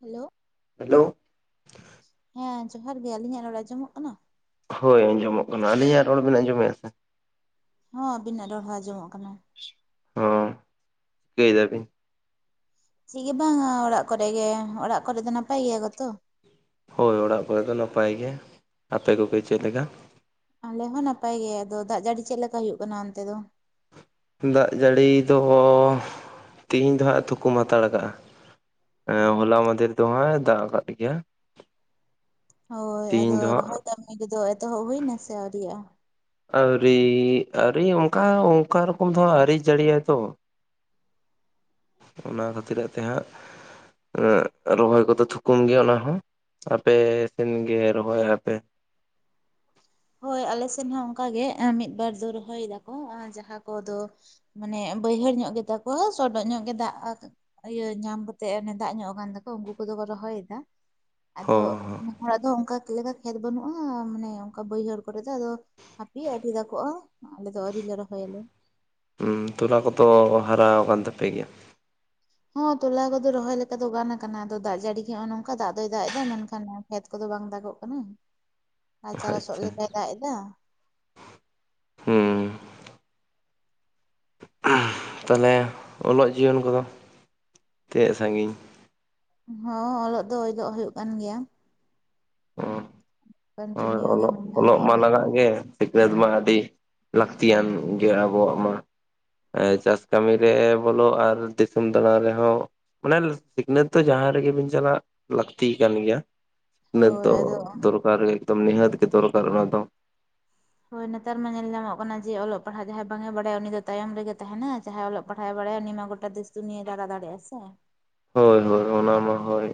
Hello. Hello. ᱦᱮᱸ ᱡᱚᱦᱟᱨ ᱜᱮ ᱟᱞᱤᱧᱟᱜ ᱨᱚᱲ ᱟᱸᱡᱚᱢᱚᱜ ᱠᱟᱱᱟ? ᱦᱳᱭ ᱟᱸᱡᱚᱢᱚᱜ ᱠᱟᱱᱟ, ᱟᱹᱞᱤᱧᱟᱜ ᱨᱚᱲ ᱵᱮᱱ ᱟᱸᱡᱚᱢᱮᱫᱼᱟ ᱥᱮ? ᱦᱚᱸ ᱟᱵᱤᱱᱟᱜ ᱨᱚᱲ ᱦᱚᱸ ᱟᱸᱡᱚᱢᱚᱜ ᱠᱟᱱᱟ᱾ ᱚᱻ ᱪᱤᱠᱟᱹᱭ ᱫᱟ ᱵᱤᱱ? ᱪᱤᱫ ᱜᱮ ᱵᱟᱝ ᱚᱲᱟᱜ ᱠᱚᱨᱮ ᱜᱮ ᱚᱲᱟᱜ ᱠᱚᱨᱮ ᱫᱚ ᱱᱟᱯᱟᱭ ᱜᱮᱭᱟ ᱠᱚᱛᱚ? ᱦᱳᱭ ᱚᱲᱟᱜ ᱠᱚᱨᱮ ᱫᱚ ᱱᱟᱯᱟᱭ ᱜᱮ ᱟᱯᱮ ᱠᱚᱜᱮ ᱪᱮᱫ ᱞᱮᱠᱟ? ᱟᱞᱮ ᱦᱚᱸ ᱱᱟᱯᱟᱭ ᱜᱮ ᱟᱫᱚ ᱫᱟᱜ ᱡᱟᱹᱲᱤ ᱪᱮᱫ ᱞᱮᱠᱟ ᱦᱩᱭᱩᱜ ᱠᱟᱱᱟ ᱚᱱᱛᱮ ᱫᱚ? ᱫᱟᱜ ᱡᱟᱹᱲᱤ ᱫᱚ ᱛᱤᱦᱤᱧ ᱫᱚ ᱦᱟᱸᱜ ᱛᱷᱩᱠᱩᱢ ᱦᱟᱛᱟᱲ ᱠᱟᱜᱼᱟ ᱾ ᱮᱸ ᱦᱚᱞᱟ ᱢᱟᱫᱷᱮᱨ ᱫᱚ ᱦᱚᱸᱜ ᱮ ᱫᱟᱜ ᱟᱠᱟᱫ ᱜᱮᱭᱟ ᱾ ᱦᱳᱭ ᱟᱫᱚ ᱨᱚᱦᱚᱭ ᱠᱟᱹᱢᱤ ᱨᱮᱫᱚ ᱮᱛᱚᱦᱚᱵ ᱦᱩᱭᱱᱟ ᱥᱮ ᱟᱹᱣᱨᱤᱭᱟᱜ-ᱟ? ᱟᱹᱣᱨᱤ ᱟᱹᱣᱨᱤ ᱚᱱᱠᱟ ᱚᱱᱠᱟ ᱨᱚᱠᱚᱢ ᱫᱚ ᱟᱹᱣᱨᱤ ᱡᱟᱹᱲᱤᱭᱟᱭ ᱛᱚ ᱾ ᱚᱱᱟ ᱠᱷᱟᱹᱛᱤᱨᱟᱜ ᱛᱮ ᱦᱟᱸᱜ ᱨᱚᱦᱚᱭ ᱠᱚᱫᱚ ᱛᱷᱩᱠᱩᱢ ᱜᱮᱭᱟ ᱚᱱᱟ ᱦᱚᱸ᱾ ᱟᱯᱮ ᱥᱮᱱ ᱜᱮ ᱨᱚᱦᱚᱭ ᱟᱯᱮ? ᱦᱳᱭ ᱟᱞᱮ ᱥᱮᱱ ᱦᱚᱸ ᱚᱱᱠᱟ ᱜᱮ ᱢᱤᱫ ᱵᱟᱨ ᱫᱚ ᱨᱚᱦᱚᱭ ᱫᱟᱠᱚ ᱡᱟᱦᱟᱸ ᱠᱚᱫᱚ ᱢᱟᱱᱮ ᱵᱟᱹᱭᱦᱟᱹᱲ ᱧᱚᱜ ᱜᱮᱛᱟ ᱠᱚᱣᱟ ᱥᱚᱰᱚᱜ ᱧᱚᱜ ᱜᱮ ᱫᱟᱜ ᱤᱭᱟᱹ ᱧᱟᱢ ᱠᱟᱛᱮᱜ ᱚᱱᱮ ᱫᱟᱜ ᱧᱚᱜ ᱟᱠᱟᱱ ᱛᱟᱠᱚ ᱩᱱᱠᱩ ᱠᱚᱫᱚ ᱠᱚ ᱨᱚᱦᱚᱭᱮᱫᱟ ᱾ ᱟᱫᱚ ᱦᱚᱸ ᱱᱮ ᱦᱚᱲᱟᱜ ᱫᱚ ᱚᱱᱠᱟ ᱞᱮᱠᱟ ᱠᱷᱮᱛ ᱵᱟᱹᱱᱩᱜᱼᱟ ᱢᱟᱱᱮ ᱚᱱᱠᱟ ᱵᱟᱹᱭᱦᱟᱹᱲ ᱠᱚᱨᱮ ᱫᱚ ᱟᱫᱚ ᱦᱟᱯᱤ ᱟᱹᱣᱨᱤ ᱫᱟᱜᱚᱜᱼᱟ ᱟᱞᱮ ᱫᱚ ᱟᱹᱣᱨᱤ ᱞᱮ ᱨᱚᱦᱚᱭᱟᱞᱮ ᱾ ᱩᱸ ᱛᱚᱞᱟ ᱠᱚᱫᱚ ᱦᱟᱨᱟᱣ ᱠᱟᱱ ᱛᱟᱯᱮ ᱜᱮᱭᱟ? ᱦᱚᱸ ᱛᱚᱞᱟ ᱠᱚᱫᱚ ᱨᱚᱦᱚᱭ ᱞᱮᱠᱟ ᱫᱚ ᱜᱟᱱ ᱠᱟᱱᱟ ᱟᱫᱚ ᱫᱟᱜ ᱡᱟᱹᱲᱤ ᱜᱮ ᱱᱚᱜᱚᱭ ᱱᱚᱝᱠᱟ ᱫᱟᱜ ᱫᱚᱭ ᱫᱟᱜ ᱮᱫᱟ ᱢᱮᱱᱠᱷᱟᱱ ᱠᱷᱮᱛ ᱠᱚᱫᱚ ᱵᱟᱝ ᱫᱟᱜᱚᱜ ᱠᱟᱱᱟ᱾ [inaudible] ᱨᱟᱪᱟ ᱞᱚᱥᱚᱜ ᱟᱪᱪᱷᱟ ᱞᱮᱠᱟᱭ ᱫᱟᱜ ᱮᱫᱟ ᱾ ᱦᱩᱸ ᱛᱟᱞᱦᱮ ᱚᱞᱚᱜ ᱡᱤᱭᱚᱱ ᱠᱚᱫᱚ ᱛᱤᱱᱟᱹᱜ ᱥᱟᱺᱜᱤᱧ? ᱦᱚᱸ ᱚᱞᱚᱜ ᱫᱚ ᱚᱞᱚᱜ ᱦᱩᱭᱩᱜ ᱠᱟᱱ ᱜᱮᱭᱟ ᱾ ᱚ ᱦᱳᱭ ᱠᱚᱱᱴᱤᱱᱤᱭᱩ ᱜᱮ ᱚᱞᱚᱜ ᱢᱮᱱᱟᱜᱼᱟ ᱚᱞᱚᱜ ᱢᱟ ᱞᱟᱜᱟᱜ ᱜᱮ ᱾ ᱥᱤᱠᱷᱱᱟᱹᱛ ᱢᱟ ᱟᱹᱰᱤ ᱞᱟᱹᱠᱛᱤᱭᱟᱱ ᱜᱮ ᱟᱵᱚᱣᱟᱜ ᱢᱟ ᱾ ᱮᱸ ᱪᱟᱥ ᱠᱟᱹᱢᱤ ᱨᱮ ᱵᱚᱞᱚ ᱟᱨ ᱫᱤᱥᱚᱢ ᱫᱟᱬᱟᱱ ᱨᱮᱦᱚᱸ ᱢᱟᱱᱮ ᱥᱤᱠᱷᱱᱟᱹᱛ ᱫᱚ ᱡᱟᱦᱟᱸ ᱨᱮᱜᱮ ᱵᱤᱱ ᱪᱟᱞᱟᱜ ᱞᱟᱹᱠᱛᱤ ᱠᱟᱱ ᱜᱮᱭᱟ ᱾ ᱦᱳᱭ ᱟᱫᱚ ᱱᱤᱛᱚᱜ ᱫᱚᱨᱠᱟᱨ ᱜᱮ ᱮᱠᱫᱚᱢ ᱱᱤᱦᱟᱹᱛ ᱜᱮ ᱫᱚᱨᱠᱟᱨ ᱚᱱᱟ ᱫᱚ ᱾ ᱦᱳᱭ ᱱᱮᱛᱟᱨ ᱢᱟ ᱧᱮᱞ ᱧᱟᱢᱚᱜ ᱠᱟᱱᱟ ᱡᱮ ᱚᱞᱚᱜ ᱯᱟᱲᱦᱟᱣ ᱡᱟᱦᱟᱸᱭ ᱵᱟᱝ ᱮ ᱵᱟᱰᱟᱭᱟ ᱩᱱᱤ ᱫᱚ ᱛᱟᱭᱚᱢ ᱨᱮᱜᱮ ᱛᱟᱦᱮᱸᱱᱟᱭ ᱡᱟᱦᱟᱸᱭ ᱚᱞᱚᱜ ᱯᱟᱲᱦᱟᱣᱮ ᱵᱟᱲᱟᱭᱟ ᱩᱱᱤ ᱢᱟ ᱜᱚᱴᱟ ᱫᱮᱥ ᱫᱩᱱᱤᱭᱟᱹᱭ ᱫᱟᱬᱟ ᱫᱟᱲᱮᱭᱟᱜᱼᱟ ᱥᱮ ᱾ ᱦᱳᱭ ᱦᱳᱭ ᱚᱱᱟ ᱢᱟ ᱦᱳᱭ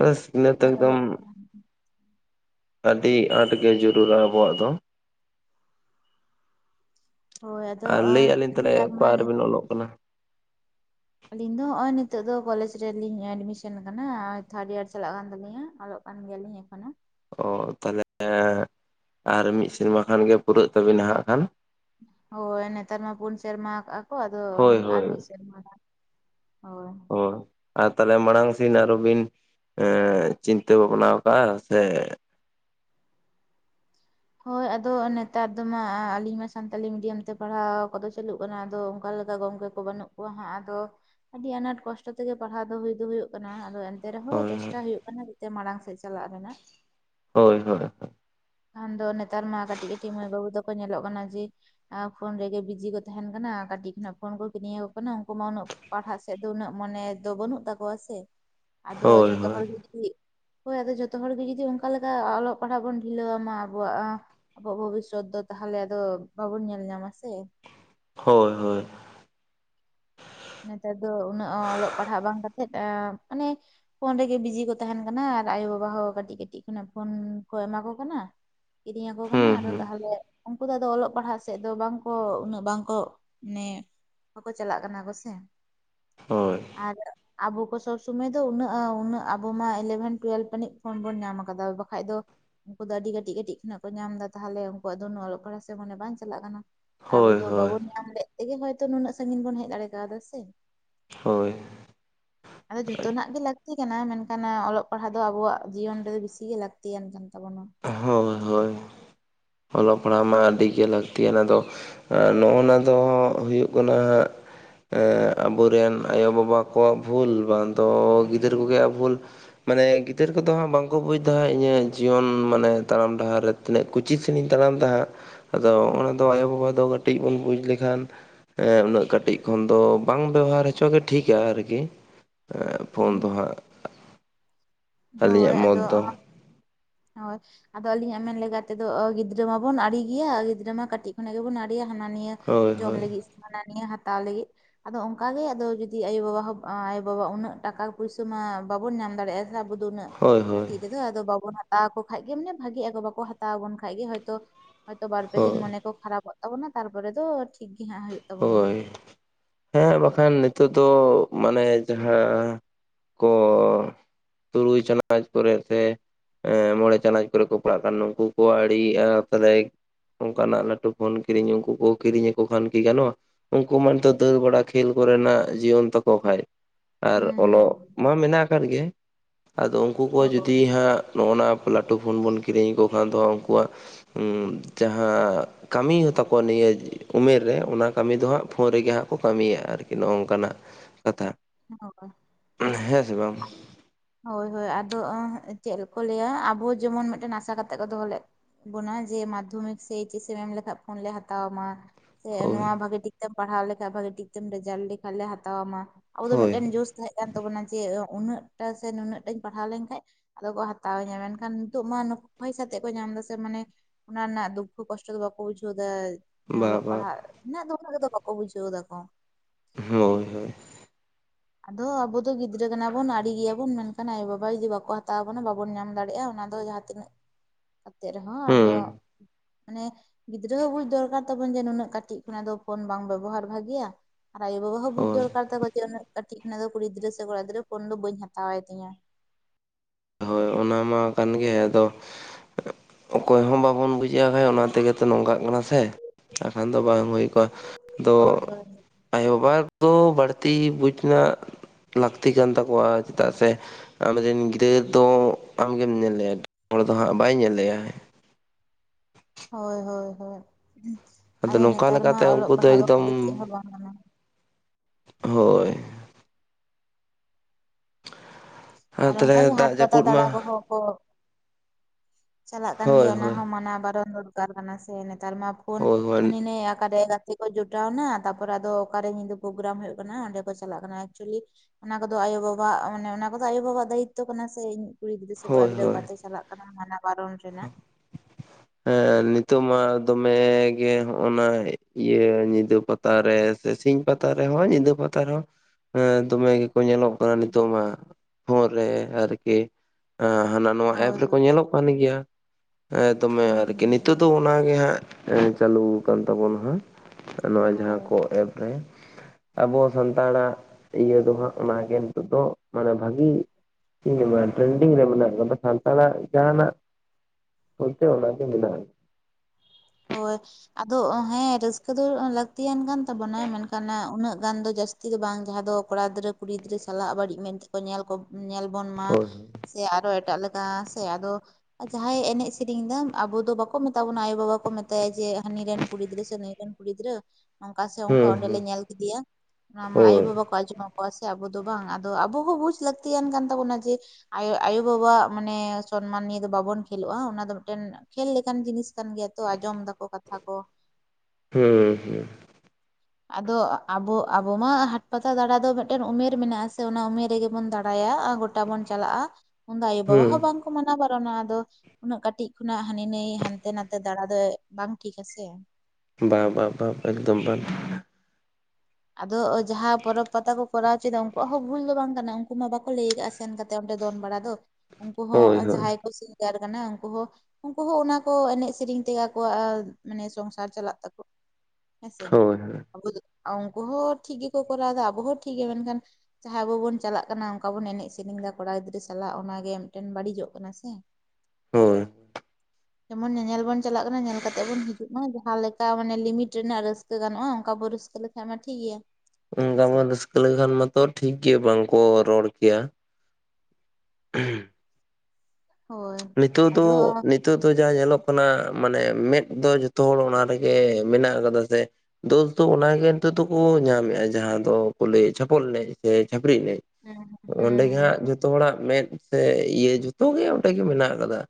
ᱚᱱᱮ ᱥᱤᱠᱷᱱᱟᱹᱛ ᱦᱳᱭ ᱮᱠᱫᱚᱢ ᱚᱞᱚᱜ ᱯᱟᱲᱦᱟᱜ ᱟᱹᱰᱤ ᱟᱸᱴ ᱜᱮ ᱡᱩᱨᱩᱨᱟ ᱟᱵᱚᱣᱟᱜ ᱫᱚ ᱾ ᱦᱳᱭ ᱟᱫᱚ ᱟᱨ ᱚᱸ ᱞᱟᱹᱭᱮᱜᱼᱟ ᱞᱤᱧ ᱛᱟᱞᱦᱮ ᱱᱮᱛᱟᱨ ᱢᱟ ᱚᱠᱟ ᱨᱮᱵᱤᱱ ᱚᱞᱚᱜ ᱠᱟᱱᱟ? ᱟᱹᱞᱤᱧ ᱫᱚ ᱦᱚᱸᱜᱼᱚᱭ ᱱᱤᱛᱚᱜ ᱫᱚ ᱠᱚᱞᱮᱡᱽ ᱨᱮᱞᱤᱧ ᱮᱰᱢᱤᱥᱮᱱ ᱠᱟᱱᱟ ᱟᱨ ᱛᱷᱟᱨᱰ ᱤᱭᱟᱨ ᱪᱟᱞᱟᱜ ᱠᱟᱱ ᱛᱟᱹᱞᱤᱧᱟ ᱚᱞᱚᱜ ᱠᱟᱱ ᱜᱮᱭᱟᱞᱤᱧ ᱮᱠᱷᱚᱱ ᱦᱚᱸ ᱾ ᱚ ᱛᱟᱦᱞᱮ [unintelligible] ᱟᱨᱦᱚ ᱢᱤᱫ ᱥᱮᱨᱢᱟ ᱠᱷᱟᱱ ᱜᱮ ᱯᱩᱨᱟᱹᱜ ᱛᱟᱹᱵᱤᱱᱟ ᱦᱟᱸᱜ ᱠᱷᱟᱱ? ᱦᱳᱭ ᱱᱮᱛᱟᱨ ᱢᱟ ᱯᱩᱱ ᱥᱮᱨᱢᱟ ᱠᱟᱜᱼᱟ ᱠᱚ ᱟᱫᱚ ᱦᱳᱭ ᱟᱨ ᱦᱳᱭ ᱢᱤᱫ ᱥᱮᱨᱢᱟ ᱜᱟᱱ ᱾ ᱦᱳᱭ ᱾ ᱦᱳ ᱟᱨ ᱛᱟᱦᱞᱮ ᱢᱟᱬᱟᱝ ᱥᱮᱱ ᱟᱨᱦᱚ ᱵᱤᱱ ᱮᱸ ᱪᱤᱱᱛᱟᱹ ᱵᱷᱟᱵᱽᱱᱟᱣ ᱠᱟᱜᱼᱟᱭ ᱥᱮ ᱦᱳᱭ ᱟᱫᱚ ᱱᱮᱛᱟᱨ ᱫᱚ ᱢᱟ ᱟᱹᱞᱤᱧ ᱢᱟ ᱥᱟᱱᱛᱟᱞᱤ ᱢᱤᱰᱤᱭᱟᱢ ᱛᱮ ᱯᱟᱲᱦᱟᱣ ᱠᱚᱫᱚ ᱪᱟᱹᱞᱩᱜ ᱠᱟᱱᱟ ᱟᱫᱚ ᱚᱱᱠᱟ ᱞᱮᱠᱟ ᱜᱚᱝᱠᱮ ᱛᱚ ᱵᱟᱹᱱᱩᱜ ᱠᱚᱣᱟ ᱦᱟᱸᱜ ᱟᱫᱚ ᱟᱹᱰᱤ ᱟᱱᱟᱴ ᱠᱚᱥᱴᱚ ᱛᱮᱜᱮ ᱯᱟᱲᱦᱟᱣ ᱫᱚ ᱦᱩᱭ ᱫᱚ ᱦᱩᱭᱩᱜ ᱠᱟᱱᱟ ᱟᱫᱚ ᱮᱱ ᱮᱱᱛᱮ ᱨᱮᱦᱚᱸ ᱦᱳᱭ ᱪᱮᱥᱴᱟ ᱦᱩᱭᱩᱜ ᱠᱟᱱᱟ ᱡᱟᱛᱮ ᱢᱟᱲᱟᱝ ᱥᱮᱫ ᱪᱟᱞᱟᱜ ᱨᱮᱱᱟᱜ ᱾ ᱦᱳᱭ ᱦᱚ ᱾ ᱠᱷᱟᱱ ᱫᱚ ᱱᱮᱛᱟᱨ ᱢᱟ ᱠᱟᱹᱴᱤᱡ ᱠᱟᱹᱴᱤᱡ ᱢᱟᱹᱭ ᱵᱟᱹᱵᱩ ᱛᱟᱠᱚ ᱧᱮᱞᱚᱜ ᱠᱟᱱᱟ ᱡᱮ ᱟᱨ ᱯᱷᱳᱱ ᱨᱮᱜᱮ ᱵᱤᱡᱤ ᱠᱚ ᱛᱟᱦᱮᱸᱱ ᱠᱟᱱᱟ ᱠᱟᱹᱴᱤᱡ ᱠᱷᱱᱟᱜ ᱯᱷᱳᱱ ᱠᱚ ᱠᱤᱨᱤᱧ ᱟᱠᱚ ᱠᱟᱱᱟ ᱾ ᱩᱱᱠᱩ ᱢᱟ ᱩᱱᱟᱹᱜ ᱯᱟᱲᱦᱟᱜ ᱥᱮᱫ ᱫᱚ ᱩᱱᱟᱹᱜ ᱢᱚᱱᱮ ᱫᱚ ᱵᱟᱹᱱᱩᱜ ᱛᱟᱠᱚᱣᱟ ᱥᱮ ᱟᱫᱚ ᱦᱳᱭ ᱡᱷᱚᱛᱚ ᱦᱳᱭ ᱦᱚᱲ ᱜᱮ ᱦᱳᱭ ᱟᱫᱚ ᱡᱷᱚᱛᱚ ᱦᱚᱲ ᱜᱮ ᱡᱩᱫᱤ ᱚᱱᱠᱟᱞᱮᱠᱟ ᱚᱞᱜ ᱯᱟᱲᱦᱟᱣ ᱵᱚᱱ ᱦᱤᱞᱟᱹᱣ ᱟᱢᱟ ᱟᱵᱚᱣᱟᱜ ᱟᱵᱚᱣᱟᱜ ᱵᱷᱚᱵᱤᱥᱚᱛ ᱫᱚ ᱛᱟᱦᱞᱮ ᱟᱫᱚ ᱵᱟᱵᱚᱱ ᱧᱮᱞ ᱧᱟᱢᱟ ᱥᱮ ᱾ ᱦᱳᱭ ᱦᱳᱭ ᱾ ᱱᱮᱛᱟᱨ ᱫᱚ ᱩᱱᱟᱹᱜ ᱚᱞᱚᱜ ᱯᱟᱲᱦᱟᱜ ᱵᱟᱝ ᱠᱟᱛᱮᱜ ᱢᱟᱱᱮ ᱯᱷᱳᱱ ᱨᱮᱜᱮ ᱵᱤᱡᱤ ᱠᱚ ᱛᱟᱦᱮᱱ ᱠᱟᱱᱟ ᱟᱨ ᱟᱭᱳ ᱵᱟᱵᱟ ᱦᱚᱸ ᱠᱟᱹᱴᱤᱡ ᱠᱟᱹᱴᱤᱡ ᱠᱷᱚᱱᱟᱜ ᱯᱷᱳᱱ ᱠᱚ ᱮᱢᱟᱠᱚ ᱠᱟᱱᱟ᱾ ᱠᱤᱨᱤᱧᱟ ᱠᱚ ᱠᱟᱱᱟ ᱦᱩᱸ ᱟᱫᱚ ᱦᱩᱸ ᱛᱟᱦᱚᱞᱮ ᱩᱱᱠᱩ ᱫᱚ ᱟᱫᱚ ᱚᱞᱚᱜ ᱯᱟᱲᱦᱟᱜ ᱥᱮᱫ ᱫᱚ ᱵᱟᱝᱠᱚ ᱩᱱᱟᱹᱜ ᱵᱟᱝᱠᱚ ᱢᱟᱱᱮ ᱵᱟᱠᱚ ᱪᱟᱞᱟᱜ ᱠᱟᱱᱟ ᱠᱚ᱾ ᱮᱸ ᱦᱳᱭ ᱟᱨ ᱟᱵᱚ ᱠᱚ ᱥᱚᱵᱽ ᱥᱚᱢᱚᱭ ᱫᱚ ᱩᱱᱟᱹᱜ ᱩᱱᱟᱹᱜ ᱟᱵᱚ ᱢᱟ ᱤᱞᱮᱵᱷᱮᱱ ᱴᱩᱭᱮᱞᱵᱷ ᱢᱟᱹᱱᱤᱡ ᱯᱷᱳᱱ ᱵᱚᱱ ᱧᱟᱢ ᱟᱠᱟᱫᱟ ᱵᱟᱠᱷᱟᱡ ᱫᱚ ᱩᱱᱠᱩ ᱫᱚ ᱟᱹᱰᱤ ᱠᱟᱹᱴᱤᱡ ᱠᱟᱹᱴᱤᱡ ᱠᱷᱚᱱᱟᱜ ᱠᱚ ᱧᱟᱢ ᱮᱫᱟ ᱛᱟᱦᱚᱞᱮ ᱩᱱᱠᱩᱣᱟᱜ ᱫᱚ ᱩᱱᱟᱹᱜ ᱚᱞᱚᱜ ᱯᱟᱲᱦᱟᱜ ᱥᱮ ᱢᱟᱱᱮ ᱵᱟᱝ ᱪᱟᱞᱟᱜ ᱠᱟᱱᱟ᱾ ᱟᱵᱚ ᱦᱳᱭ ᱫᱚ ᱦᱳᱭ ᱵᱟᱵᱚᱱ ᱧᱟᱢ ᱞᱮ ᱛᱮᱜᱮ ᱦᱚᱭᱛᱚ ᱱᱩᱱᱟᱹᱜ ᱥᱟᱺᱜᱤᱧ ᱵᱚᱱ ᱦᱮᱡ ᱫᱟᱲᱮ ᱠᱟᱣᱫᱟ ᱥᱮ᱾ ᱦᱳᱭ ᱟᱫᱚ ᱡᱷᱚᱛᱚᱱᱟᱜ ᱜᱮ ᱞᱟᱹᱠᱛᱤ ᱠᱟᱱᱟ ᱢᱮᱱᱠᱷᱟᱱ ᱚᱞᱚᱜ ᱯᱟᱲᱦᱟᱜ ᱫᱚ ᱟᱵᱚᱣᱟᱜ ᱡᱤᱭᱚᱱ ᱨᱮ ᱵᱤᱥᱤ ᱜᱮ ᱞᱟᱹᱠᱛᱤᱭᱟᱱ ᱠᱟᱱ ᱛᱟᱵᱚᱱᱟ᱾ ᱦᱳᱭ ᱦᱳᱭ ᱚᱞᱚᱜ ᱯᱟᱲᱦᱟᱣ ᱢᱟ ᱟᱹᱰᱤᱜᱮ ᱞᱟᱹᱠᱛᱤᱭᱟ ᱚᱱᱟ ᱫᱚ ᱟᱨ ᱱᱚᱜᱼᱚ ᱱᱟ ᱫᱚ ᱦᱟᱜ ᱦᱩᱭᱩᱜ ᱠᱟᱱᱟᱜᱴ ᱦᱟᱜ ᱦᱚᱭ ᱟᱵᱚᱨᱮᱱ ᱟᱭᱳᱼᱵᱟᱵᱟ ᱠᱚᱣᱟᱜ ᱵᱷᱩᱞ ᱵᱟᱝ ᱫᱚ ᱜᱤᱫᱽᱟᱹᱨ ᱠᱚᱜᱮᱭᱟᱜ ᱵᱷᱩᱞ᱾ ᱢᱟᱱᱮ ᱜᱤᱫᱟᱹᱨ ᱠᱚᱫᱚ ᱦᱟᱜ ᱵᱟᱝᱠᱚ ᱵᱩᱡᱽ ᱫᱟ ᱦᱟᱜ ᱤᱧᱟᱹᱜ ᱡᱤᱭᱚᱱ ᱢᱟᱱᱮ ᱛᱟᱲᱟᱢ ᱰᱟᱦᱟᱨ ᱨᱮ ᱛᱤᱱᱟᱹᱜ ᱠᱩᱪᱤᱛ ᱥᱮᱱᱤᱧ ᱛᱟᱲᱟᱢ ᱫᱟ ᱾ ᱟᱫᱚ ᱚᱱᱟ ᱫᱚ ᱟᱭᱳᱼᱵᱟᱵᱟ ᱫᱚ ᱠᱟᱹᱴᱤᱡ ᱵᱚᱱ ᱵᱩᱡᱽ ᱞᱮᱠᱷᱟᱱ᱾ ᱦᱮᱸ ᱩᱱᱟᱹᱜ ᱠᱟᱹᱴᱤᱡ ᱠᱷᱚᱱ ᱫᱚ ᱵᱟᱝ ᱵᱮᱵᱚᱦᱟᱨ ᱦᱚᱪᱚ ᱜᱮ ᱴᱷᱤᱠᱟ ᱟᱨᱠᱤ᱾ ᱮᱸ ᱯᱷᱳᱱ ᱫᱚ ᱦᱟᱸᱜ᱾ ᱟᱹᱞᱤᱧᱟᱜ ᱦᱳᱭ ᱢᱚᱛ ᱟᱫᱚ ᱫᱚ ᱦᱳᱭ ᱟᱫᱚ ᱟᱹᱞᱤᱧᱟᱜ ᱢᱮᱱ ᱞᱮᱠᱟ ᱛᱮᱫᱚ ᱜᱤᱫᱽᱨᱟᱹ ᱢᱟᱵᱚᱱ ᱟᱹᱲᱤ ᱜᱮᱭᱟ, ᱜᱤᱫᱽᱨᱟᱹ ᱢᱟ ᱠᱟᱹᱴᱤᱡ ᱠᱷᱚᱱᱟᱜ ᱜᱮᱵᱚᱱ ᱟᱹᱲᱤ ᱦᱟᱱᱟ ᱱᱤᱭᱟᱹ ᱦᱳᱭ ᱡᱚᱢ ᱦᱳᱭ ᱞᱟᱹᱜᱤᱫ ᱥᱮ ᱦᱟᱱᱟ ᱱᱤᱭᱟᱹ ᱦᱟᱛᱟᱣ ᱞᱟᱹᱜᱤᱫ᱾ ᱟᱫᱚ ᱚᱱᱠᱟ ᱜᱮ ᱟᱫᱚ ᱡᱩᱫᱤ ᱟᱭᱳᱼᱵᱟᱵᱟ ᱟᱭᱳᱼᱵᱟᱵᱟ ᱩᱱᱟᱹᱜ ᱴᱟᱠᱟ ᱯᱩᱭᱥᱟ ᱢᱟ ᱵᱟᱵᱚᱱ ᱧᱟᱢ ᱫᱟᱲᱮᱭᱟᱜᱼᱟ᱾ ᱟᱵᱚ ᱫᱚ ᱩᱱᱟᱜ ᱦᱳᱭ ᱦᱳᱭ ᱠᱟᱹᱴᱤᱡ ᱨᱮ ᱟᱫᱚ ᱵᱟᱵᱚᱱ ᱦᱟᱛᱟᱣ ᱟᱠᱚ ᱠᱷᱟᱱᱡ ᱜᱮ ᱢᱟᱱᱮ ᱵᱷᱟᱜᱤᱜᱼᱟᱠᱚ ᱵᱟᱠᱚ ᱦᱟᱛᱟᱣ ᱟᱵᱚᱱ ᱠᱷᱟᱱᱡ ᱜᱮ ᱦᱳᱭᱛᱳ ᱦᱳᱭᱛᱚ ᱵᱟᱨ ᱯᱮ ᱫᱤᱱ ᱦᱳᱭ ᱢᱚᱱᱮ ᱠᱚ ᱠᱷᱟᱨᱟᱯᱚᱜ ᱛᱟᱵᱚᱱᱟ ᱛᱟᱨᱯᱚᱨᱮ ᱫᱚ ᱴᱷᱤᱠ ᱜᱮ ᱦᱟᱸᱜ ᱦᱩᱭᱩᱜ ᱛᱟᱵᱚᱱᱟ ᱦᱳᱭ ᱦᱮᱸ ᱵᱟᱠᱷᱟᱱ ᱱᱤᱛᱚᱜ ᱫᱚ ᱢᱟᱱᱮ ᱡᱟᱦᱟᱸ ᱠᱚ ᱛᱩᱨᱩᱭ ᱪᱟᱱᱟᱪ ᱠᱚᱨᱮ ᱥᱮ ᱮ ᱢᱚᱬᱮ ᱪᱟᱱᱟᱪ ᱠᱚᱨᱮ ᱠᱚ ᱯᱟᱲᱟᱜ ᱠᱟᱱ ᱱᱩᱝᱠᱩ ᱠᱚ ᱟᱹᱰᱤ ᱟ [inaudible] ᱚᱱᱠᱟᱱᱟᱜ ᱞᱟᱹᱴᱩ ᱯᱷᱳᱱ ᱠᱤᱨᱤᱧ ᱩᱱᱠᱩ ᱠᱚ ᱠᱤᱨᱤᱧ ᱟᱠᱚ ᱠᱷᱟᱱ ᱜᱟᱱᱚᱜᱼᱟ ᱩᱱᱠᱩ ᱢᱟ ᱱᱤᱛᱚᱜ ᱫᱟᱹᱲ ᱵᱟᱲᱟ ᱠᱷᱮᱞ ᱠᱚᱨᱮᱱᱟᱜ ᱡᱤᱭᱚᱱ ᱛᱟᱠᱚ ᱵᱷᱟᱭ᱾ ᱟᱨ ᱦᱩᱸ ᱦᱩᱸ ᱚᱞᱚᱜ ᱢᱟ ᱢᱮᱱᱟᱜ ᱟᱠᱟᱫ ᱜᱮ ᱟᱫᱚ ᱩᱱᱠᱩ ᱠᱚ ᱦᱳᱭ ᱡᱩᱫᱤ ᱦᱟᱸᱜ ᱱᱚᱜᱼᱱᱟ ᱞᱟᱹᱴᱩ ᱯᱷᱳᱱ ᱵᱚᱱ ᱠᱤᱨᱤᱧ ᱟᱠᱚ ᱠᱷᱟᱱ ᱫᱚ ᱩᱱᱠᱩᱣᱟᱜ ᱡᱟᱦᱟᱸ ᱠᱟᱹᱢᱤᱭᱟ. ᱛᱟᱠᱚ ᱱᱤᱭᱟᱹ ᱩᱢᱮᱨ ᱨᱮ᱾ ᱚᱱᱟ ᱠᱟᱹᱢᱤ ᱫᱚ ᱦᱟᱸᱜ ᱯᱷᱳᱱ ᱨᱮᱜᱮ ᱦᱟᱸᱜ ᱠᱚ ᱠᱟᱹᱢᱤᱭᱟ ᱟᱨᱠᱤ ᱱᱚᱜᱝᱠᱟᱱᱟᱜ ᱠᱟᱛᱷᱟ᱾ [unintelligible] ᱦᱮᱸ ᱥᱮ ᱵᱟᱝ ᱦᱳᱭ ᱦᱳᱭ ᱟᱫᱚ ᱪᱮᱫ ᱠᱚ ᱞᱟᱹᱭᱟ ᱟᱵᱚ ᱡᱮᱢᱚᱱ ᱢᱤᱫᱴᱮᱱ ᱟᱥᱟ ᱠᱟᱛᱮᱫ ᱠᱚ ᱫᱚᱦᱚ ᱞᱮᱫ ᱵᱱᱟ ᱡᱮ ᱢᱟᱫᱽᱫᱷᱚᱢᱤᱠ ᱥᱮ ᱮᱭᱤᱪ ᱮᱥ ᱮᱢ ᱞᱮᱠᱟᱱᱡ ᱯᱷᱳᱱ ᱞᱮ ᱦᱟᱛᱟᱣ ᱟᱢᱟ᱾ ᱥᱮ ᱦᱳᱭ ᱱᱚᱶᱟ ᱵᱷᱟᱜᱤ ᱴᱷᱤᱠ ᱛᱮᱢ ᱯᱟᱲᱦᱟᱣ ᱞᱮᱠᱷᱟᱡ ᱵᱷᱟᱜᱤ ᱴᱷᱤᱠ ᱛᱮᱢ ᱨᱮᱡᱟᱞᱴ ᱞᱮᱠᱷᱟᱡ ᱞᱮ ᱦᱟᱛᱣ ᱟᱢᱟ, ᱟᱵᱚ ᱦᱳᱭ ᱢᱤᱫᱴᱮᱱ ᱡᱳᱥ ᱛᱟᱦᱮᱸ ᱠᱟᱱ ᱛᱟᱵᱚᱱᱟ ᱡᱮ ᱩᱱᱟᱹᱜ ᱴᱟ ᱥᱮ ᱱᱩᱱᱟᱹᱜ ᱴᱟᱧ ᱯᱟᱲᱦᱟᱣ ᱞᱮᱱᱠᱷᱡ ᱟᱫᱚ ᱠᱚ ᱦᱟᱛᱟᱣ ᱤᱧᱟᱹ ᱢᱮᱱᱠᱷᱟᱱ ᱱᱤᱛᱚᱜ ᱢᱟ ᱱᱩᱠᱩ ᱯᱚᱭᱥᱟ ᱛᱮᱜ ᱠᱚ ᱧᱟᱢ ᱮᱫᱟᱟ ᱥᱮ, ᱢᱟᱱᱮ ᱚᱱᱟ ᱨᱮᱱᱟᱜ ᱫᱩᱠᱠᱷᱚ ᱠᱚᱥᱴᱚ ᱫᱚ ᱵᱟᱠᱚ ᱵᱩᱡᱷᱟᱹᱣ ᱮᱫᱟ᱾ ᱮ ᱵᱟ ᱚᱞᱚᱜ ᱵᱟ ᱯᱟᱲᱦᱟᱜ ᱢᱮᱱᱟᱜ ᱫᱚ ᱩᱫᱚ ᱵᱟᱠᱚ ᱵᱩᱡᱷᱟᱹᱣ ᱫᱟ ᱠᱚ᱾ ᱦᱳᱭ ᱦᱳᱭ᱾ ᱟᱫᱚ ᱟᱵᱚ ᱫᱚ ᱜᱤᱫᱽᱨᱟᱹ ᱠᱟᱱᱟ ᱵᱚᱱ ᱟᱲᱮ ᱜᱮᱭᱟᱵᱚᱱ ᱢᱮᱱᱠᱷᱟᱱ ᱟᱭᱳ ᱵᱟᱵᱟ ᱡᱩᱫᱤ ᱵᱟᱠᱚ ᱦᱟᱛᱟᱣ ᱟᱵᱚᱱᱟ ᱵᱟᱵᱚᱱ ᱧᱟᱢ ᱫᱟᱲᱮᱭᱟᱜᱼᱟ ᱚᱱᱟ ᱫᱚ ᱡᱟᱦᱟᱸ ᱛᱤᱱᱟᱹᱜ [unintelligible] ᱠᱟᱛᱮᱫ ᱨᱮᱦᱚᱸ ᱟᱫᱚ ᱦᱩᱸ ᱢᱟᱱᱮ ᱜᱤᱫᱽᱨᱟᱹ ᱦᱚᱸ ᱵᱩᱡ ᱫᱚᱨᱠᱟᱨ ᱛᱟᱵᱚᱱ ᱡᱮ ᱱᱩᱱᱟᱹᱜ ᱠᱟᱹᱴᱤᱡ ᱠᱷᱚᱱᱟᱜ ᱫᱚ ᱯᱷᱳᱱ ᱵᱟᱝ ᱵᱮᱵᱚᱦᱟᱨ ᱵᱷᱟᱜᱮᱭᱟ ᱟᱨ ᱟᱭᱳᱼᱵᱟᱵᱥ ᱦᱚᱸ ᱵᱩᱡᱽ ᱦᱳᱭ ᱫᱚᱨᱠᱟᱨ ᱛᱟᱠᱚ ᱡᱮ ᱩᱱᱟᱹᱜ ᱠᱟᱹᱴᱤᱡ ᱠᱷᱚᱱᱟᱜ ᱫᱚ ᱠᱩᱲᱤ ᱜᱤᱫᱽᱨᱟᱹ ᱥᱮ ᱠᱚᱲᱟ ᱜᱤᱫᱽᱨᱟᱹ ᱯᱷᱳᱱ ᱫᱚ ᱵᱟᱹᱧ ᱦᱟᱛᱟᱣᱟᱭ ᱛᱤᱧᱟᱹ᱾ ᱦᱳᱭ ᱚᱱᱟ ᱢᱟ ᱠᱟᱱ ᱜᱮ ᱟᱫᱚ ᱚᱠᱚᱭ ᱦᱚᱸ ᱵᱟᱵᱚᱱ ᱵᱩᱡᱷᱟᱹᱣ ᱦᱮᱸ ᱚᱱᱟ ᱛᱮᱜᱮ ᱛᱚ ᱱᱚᱝᱠᱟᱜ ᱠᱟᱱᱟ ᱥᱮ ᱮᱠᱷᱟᱱ ᱫᱚ ᱵᱟᱝ ᱦᱩᱭ ᱠᱚᱜᱼᱟ ᱫᱚ ᱦᱳᱭ ᱦᱳᱭ ᱟᱭᱳ ᱵᱟᱵᱟ ᱫᱚ ᱵᱟᱹᱲᱛᱤ ᱵᱩᱡᱽ ᱮᱱᱟᱜ ᱞᱟᱹᱠᱛᱤ ᱠᱟᱱ ᱛᱟᱠᱚᱣᱟ ᱪᱮᱫᱟᱜ ᱥᱮ ᱟᱢᱨᱮᱱ ᱜᱤᱫᱽᱟᱹᱨ ᱛᱚ ᱟᱢᱜᱮᱢ ᱧᱮᱞᱮᱼᱟ ᱦᱚᱲ ᱫᱚ ᱦᱟᱸᱜ ᱵᱟᱭ ᱧᱮᱞᱮ ᱭᱟ ᱦᱳᱭ ᱦᱳᱭ ᱦᱳᱭ ᱟᱫᱚ ᱱᱚᱝᱠᱟ ᱱᱮᱛᱟᱨ ᱢᱟ ᱞᱮᱠᱟᱛᱮ ᱚᱞᱚᱜ ᱩᱱᱠᱩ ᱯᱟᱲᱦᱟᱜ ᱮᱠᱫᱚᱢ ᱵᱟᱠᱷᱟᱱ ᱫᱚ ᱪᱮᱫ ᱦᱚᱸ ᱵᱟᱝ ᱠᱟᱱᱟ᱾ ᱦᱳᱭ᱾ ᱟᱨ ᱚᱱᱠᱟ ᱛᱟᱦᱞᱮ ᱜᱮ ᱦᱟᱴ ᱫᱟᱜ ᱯᱟᱛᱟ ᱡᱟᱹᱯᱩᱫ ᱢᱟ ᱫᱟᱬᱟ ᱠᱚᱦᱚᱸ ᱠᱚ ᱪᱟᱞᱟᱜ ᱠᱟᱱ ᱦᱳᱭ ᱜᱮᱭᱟ ᱚᱱᱟ ᱦᱳᱭ ᱦᱚᱸ ᱢᱟᱱᱟ ᱵᱟᱨᱚᱱ ᱫᱚᱨᱠᱟᱨ ᱠᱟᱱᱟ ᱥᱮ ᱱᱮᱛᱟᱨ ᱢᱟ ᱯᱚᱱ, ᱦᱳᱭ ᱦᱳᱭ ᱦᱟᱱᱤ ᱱᱮᱭᱟ ᱟᱠᱟᱨᱮ ᱜᱟᱛᱮ ᱠᱚ ᱡᱚᱴᱟᱣᱱᱟ, ᱛᱟᱨᱯᱚᱨᱮ ᱟᱫᱚ ᱚᱠᱟᱨᱮ ᱧᱤᱫᱟᱹ ᱯᱨᱳᱜᱨᱟᱢ ᱦᱩᱭᱩᱜ ᱠᱟᱱᱟ ᱚᱸᱰᱮ ᱠᱚ ᱪᱟᱞᱟᱜ ᱠᱟᱱᱟ᱾ ᱮᱠᱪᱩᱭᱮᱞᱤ ᱚᱱᱟ ᱠᱚᱫᱚ ᱟᱭᱳ ᱵᱟᱵᱟᱣᱟᱜ ᱢᱟᱱᱮ ᱚᱱᱟ ᱠᱚ ᱟᱭᱳ-ᱵᱟᱵᱟᱣᱟᱜ ᱫᱟᱭᱤᱛᱚ ᱠᱟᱱᱟ ᱥᱮ ᱤᱧᱤᱡ ᱠᱩᱲᱤ ᱜᱤᱫᱽᱨᱟᱹ ᱥᱮ ᱠᱚᱲᱟ ᱦᱳᱭ ᱜᱤᱫᱽᱨᱟᱹ ᱦᱳᱭ ᱚᱠᱟᱛᱮ ᱪᱟᱞᱟᱜ ᱠᱟᱱᱟ ᱢᱟᱱᱟ ᱵᱟᱨᱚᱱ ᱨᱮᱱᱟᱜ [inaudible] ᱦᱮᱸ ᱱᱤᱛᱚᱜ ᱢᱟ ᱫᱚᱢᱮᱜ ᱜᱮ ᱦᱚᱜ-ᱱᱟ ᱤᱭᱟᱹ ᱧᱤᱫᱟᱹ ᱯᱟᱛ ᱛᱟ ᱨᱮ ᱥᱮ ᱥᱤᱧ ᱯᱟᱛᱟ ᱨᱮᱦᱚᱸ ᱧᱤᱫᱟᱹ ᱯᱟᱛᱟ ᱨᱮᱦᱚᱸ᱾ ᱫᱚᱢᱮ ᱜᱮ ᱠᱚ ᱧᱮᱞᱚᱜ ᱠᱟᱱᱟ ᱱᱤᱛᱚᱜ ᱢᱟ᱾ ᱯᱷᱳᱱ ᱨᱮ ᱟᱹᱨᱠᱤ, ᱟ ᱦᱟᱱᱟ ᱱᱚᱣᱟ ᱮᱯ ᱦᱳᱭ ᱨᱮᱠᱚ ᱦᱳᱭ ᱧᱮᱞᱚᱜ ᱠᱟᱱ ᱜᱮᱭᱟ ᱮᱸ ᱛᱚᱢᱮ ᱦᱩᱸ ᱟᱹᱨᱠᱤ ᱱᱤᱛᱚᱜ ᱫᱚ ᱦᱩᱸ ᱚᱱᱟ ᱜᱮ ᱦᱟᱸᱜ ᱪᱟᱞᱩ ᱠᱟᱱ ᱛᱟᱵᱚᱱᱟ ᱦᱟᱸᱜ ᱱᱚᱣᱟ ᱡᱟᱦᱟᱸ ᱦᱳᱭ ᱠᱚ ᱮᱯ ᱨᱮ ᱟᱵᱚ ᱥᱟᱱᱛᱟᱲᱟᱜ ᱤᱭᱟᱹ ᱫᱚ ᱦᱟᱸᱜ ᱚᱱᱟ ᱜᱮ ᱱᱤᱛᱚᱜ ᱫᱚ ᱢᱟᱱᱮ ᱵᱷᱟᱹᱜᱤ ᱤᱱᱟᱢᱟᱱ ᱴᱨᱮᱱᱰᱤᱝ ᱨᱮ ᱢᱮᱱᱟᱜ ᱟᱠᱟᱫᱟ ᱥᱟᱱᱛᱟᱲᱟᱜ ᱡᱟᱦᱟᱱᱟᱜ ᱩᱱᱛᱮ ᱚᱱᱟ ᱜᱮ ᱢᱮᱱᱟᱜ-ᱟ ᱦᱳᱭ, ᱟᱫᱚ ᱦᱮᱸ ᱨᱟᱹᱥᱠᱟᱹ ᱫᱚ ᱞᱟᱹᱠᱛᱤᱭᱟᱱ ᱠᱟᱱ ᱛᱟᱵᱚᱱᱟ ᱢᱮᱱᱠᱷᱟᱱ ᱚᱱᱮ ᱩᱱᱟᱹᱜ ᱜᱟᱱ ᱫᱚ ᱡᱟᱹᱥ ᱛᱤᱜᱮ ᱵᱟᱝ ᱡᱟᱦᱟᱸ ᱫᱚ ᱠᱚᱲᱟ ᱜᱤᱫᱽᱨᱟᱹ ᱠᱩᱲᱤ ᱜᱤᱫᱽᱨᱟᱹ ᱥᱟᱞᱟᱜ ᱵᱟᱹᱲᱤᱡ ᱢᱮᱫ ᱛᱮᱠᱚ ᱧᱮᱞ ᱠᱚ ᱧᱮᱞ ᱵᱚᱱ ᱢᱟ ᱦᱳᱭ ᱦᱩᱸ ᱥᱮ ᱟᱨᱚ ᱮᱴᱟᱜ ᱞᱮᱠᱟ, ᱥᱮ ᱟᱫᱚ ᱡᱟᱦᱟᱸᱭᱮ ᱮᱱᱮᱡ ᱥᱮᱨᱮᱸᱧ ᱮᱫᱟ ᱟᱵᱚ ᱫᱚ ᱵᱟᱠᱚ ᱢᱮᱛᱟ ᱵᱚᱱᱟ ᱟᱭᱳ-ᱵᱟᱵᱟ ᱠᱚ ᱢᱮᱛᱟᱭᱟ ᱡᱮ ᱦᱟᱹᱱᱤ ᱨᱮᱱ ᱠᱩᱲᱤ ᱜᱤᱫᱽᱨᱟᱹ ᱥᱮ ᱱᱟᱹᱭ ᱨᱮᱱ ᱠᱩᱲᱤ ᱜᱤᱫᱽᱨᱟᱹ ᱱᱚᱝᱠᱟ ᱥᱮ ᱚᱱᱠᱟ ᱚᱸᱰᱮ ᱞᱮ ᱦᱩᱸ ᱧᱮᱞ ᱠᱮᱫᱮᱭᱟ ᱚᱱᱟ ᱢᱟ ᱦᱳᱭ ᱟᱭᱳ-ᱵᱟᱵᱟ ᱠᱚ ᱟᱸᱡᱚᱢᱟ ᱠᱚᱣᱟ ᱥᱮ ᱟᱵᱚ ᱫᱚ ᱵᱟᱝ᱾ ᱟᱫᱚ ᱟᱵᱚ ᱦᱚᱸ ᱵᱩᱡ ᱞᱟᱹᱠᱛᱤᱭᱟᱱ ᱠᱟᱱ ᱛᱟᱵᱚᱱᱟ ᱡᱮ ᱟᱭᱳ ᱟᱭᱳ ᱵᱟᱵᱟᱣᱟᱜ ᱢᱟᱱᱮ ᱥᱚᱱᱢᱟᱱ ᱱᱤᱭᱮ ᱫᱚ ᱵᱟᱵᱚᱱ ᱠᱷᱮᱞᱳᱜ-ᱟ ᱚᱱᱟ ᱫᱚ ᱢᱤᱫᱴᱮᱱ ᱠᱷᱮᱞ ᱞᱮᱠᱟᱱ ᱡᱤᱱᱤᱥ ᱠᱟᱱ ᱜᱮᱭᱟ ᱛᱚ ᱟᱸᱡᱚᱢ ᱮᱫᱟᱠᱚ ᱠᱟᱛᱷᱟ ᱠᱚ ᱦᱩᱸᱻ ᱦᱩᱸ᱾ ᱟᱫᱚ ᱟᱵᱚ ᱟᱵᱚ ᱢᱟ ᱦᱟᱴ ᱯᱟᱟᱛᱟ ᱫᱟᱬᱟ ᱫᱚ ᱢᱤᱫᱴᱮᱱ ᱩᱢᱮᱨ ᱢᱮᱱᱟᱜ-ᱟ ᱥᱮ ᱚᱱᱟ ᱩᱢᱮᱨ ᱨᱮᱜᱮ ᱵᱚᱱ ᱫᱟᱬᱟᱭᱟ ᱜᱚᱴ ᱴᱟ ᱵᱚᱱ ᱪᱟᱞᱟᱜ-ᱟ᱾ ᱩᱱᱫᱚ ᱟᱭᱳ ᱵᱟᱵᱟ ᱦᱚᱸ ᱦᱩᱸ ᱵᱟᱝᱠᱚ ᱢᱟᱱᱟ ᱵᱟᱨᱚᱱᱟ ᱟᱫᱚ ᱩᱱᱟᱹᱜ ᱠᱟᱹᱴᱤᱡ ᱠᱷᱚᱱᱟᱜ ᱦᱟᱹᱱᱤ ᱱᱟᱹᱭ ᱦᱟᱱᱛᱮ ᱱᱟᱛᱮ ᱫᱟᱬᱟ ᱫᱚ ᱵᱟᱝ ᱴᱷᱤᱠ ᱟᱥᱮ ᱵᱟᱝ ᱵᱟ ᱵᱟ ᱰᱟ ᱮᱠᱫᱚᱢ ᱵᱟᱝ ᱟᱫᱚ ᱡᱟᱦᱟᱸ ᱯᱚᱨᱚᱵᱽ ᱯᱟᱛᱟ ᱠᱚ ᱠᱚᱨᱟᱣ ᱪᱚᱭᱮᱫᱟ ᱩᱱᱠᱩᱣᱟᱜ ᱦᱚᱸ ᱵᱷᱩᱞ ᱫᱚ ᱵᱟᱝ ᱠᱟᱱᱟ᱾ ᱩᱱᱠᱩ ᱢᱟ ᱵᱟᱠᱚ ᱞᱟᱹᱭ ᱟᱠᱟᱜ-ᱟ ᱥᱮᱱ ᱠᱟᱛᱮ ᱛᱮ ᱚᱸᱰᱮ ᱫᱚᱱ ᱵᱟᱲᱟ ᱫᱚ᱾ ᱩᱱᱠᱩ ᱦᱳᱭ ᱦᱚᱸ ᱦᱳᱭ ᱡᱟᱦᱟᱸᱭ ᱠᱚ ᱥᱤᱝᱜᱟᱨ ᱠᱟᱱᱟ ᱩᱱᱠᱩ ᱦᱚᱸ ᱩᱱᱠᱩ ᱦᱚᱸ ᱚᱱᱟ ᱠᱚ ᱮᱱᱮᱡ ᱥᱮᱨᱮᱸᱧ ᱛᱮᱜᱮ ᱟᱠᱚᱣᱟᱜ ᱢᱟᱱᱮ ᱥᱚᱝᱥᱟᱨ ᱪᱟᱞᱟᱜ ᱛᱟᱠᱚ ᱦᱮᱸᱥᱮ, ᱦᱳᱭ ᱦᱳᱭ ᱟᱵᱚ ᱫᱚ, ᱩᱱᱠᱩ ᱦᱚᱸ ᱴᱷᱤᱠ ᱜᱮᱠᱚ ᱠᱚᱨᱟᱣᱫᱟ ᱟᱵᱚ ᱦᱚᱸ ᱴᱷᱤᱠ ᱜᱮ ᱢᱮᱱᱠᱷᱟᱱ ᱡᱟᱦᱟᱸᱭ ᱟᱵᱚ ᱵᱚᱱ ᱪᱟᱞᱟᱜ ᱠᱟᱱᱟ ᱚᱱᱠᱟ ᱵᱚᱱ ᱮᱱᱮᱡ ᱥᱮᱨᱮᱸᱧ ᱫᱟ ᱠᱚᱲᱟ ᱜᱤᱫᱽᱨᱟᱹ ᱥᱟᱞᱟᱜ ᱚᱱᱟᱜᱮ ᱢᱤᱫᱴᱮᱱ ᱵᱟᱹᱲᱤᱡᱚᱜ ᱠᱟᱱᱟ ᱥᱮ ᱦᱳᱭ, ᱡᱮᱢᱚᱱ ᱧᱮᱧᱮᱞ ᱵᱚᱱ ᱪᱟᱞᱟᱜ ᱠᱟᱱᱟ ᱧᱮᱞ ᱠᱟᱛᱮᱜ ᱵᱚᱱ ᱦᱤᱡᱩᱜ ᱢᱟ᱾ ᱡᱟᱦᱟᱸ ᱞᱮᱠᱟ ᱢᱟᱱᱮ ᱞᱤᱢᱤᱴ ᱨᱮᱱᱟᱜ ᱨᱟᱹᱥᱠᱟᱹ ᱠᱟᱹ ᱜᱟᱱᱜ-ᱟ ᱚᱱᱠᱟ ᱵᱚ ᱨᱟᱹᱥᱟᱹ ᱞᱮᱠᱷᱟᱡ ᱢᱟ ᱴᱷᱤᱠ ᱜᱮᱭᱟ ᱚᱱᱠᱟ ᱦᱮᱸᱥᱮ ᱵᱚᱱ ᱨᱟᱹᱥᱠᱟᱹ ᱞᱮᱠᱷᱟᱱ ᱢᱟᱛᱚ ᱴᱷᱤᱠ ᱜᱮ ᱵᱟᱝᱠᱚ ᱨᱚᱲ ᱠᱮᱭᱟ [unintelligible] ᱦᱳᱭ ᱱᱤᱛᱚᱜ ᱫᱚ᱾ ᱟᱫᱚ ᱱᱤᱛᱚᱜ ᱫᱚ ᱡᱟᱦᱟᱸ ᱧᱮᱞᱚᱜ ᱠᱟᱱᱟ, ᱢᱟᱱᱮ ᱢᱮᱫ ᱫᱚ ᱡᱚᱛᱚ ᱦᱚᱲ ᱚᱱᱟ ᱨᱮᱜᱮ ᱢᱮᱱᱟᱜ ᱟᱠᱟᱫᱟ ᱥᱮ, ᱫᱳᱥ ᱫᱚ ᱚᱱᱟᱜᱮ ᱱᱤᱛᱚᱜ ᱫᱚᱠᱚ ᱧᱟᱢᱮᱫ-ᱟ᱾ ᱡᱟᱦᱟᱸ ᱫᱚ ᱠᱚ ᱞᱟᱹᱭᱮᱫ ᱪᱷᱟᱯᱚᱞ ᱮᱱᱮᱡ ᱥᱮ ᱪᱷᱟᱹᱯᱨᱤ ᱮᱱᱮᱡ᱾ ᱦᱩᱸ ᱚᱸᱰᱮ ᱦᱩᱸ ᱜᱮ ᱦᱟᱸᱜ ᱦᱩᱸ ᱡᱚᱛᱚ ᱦᱚᱲᱟᱜ ᱢᱮᱸᱫ ᱥᱮ ᱤᱭᱟᱹ ᱡᱚᱛᱚ ᱜᱮ ᱚᱸᱰᱮ ᱜᱮ ᱢᱮᱱᱟᱜ ᱟᱠᱟᱫᱟ᱾